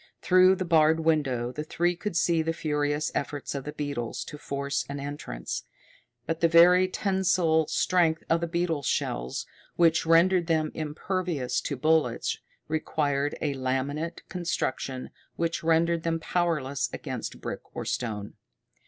Through the barred window the three could see the furious efforts of the beetles to force an entrance. But the very tensile strength of the beetle shells, which rendered them impervious to bullets, required a laminate construction which rendered them powerless against brick or stone.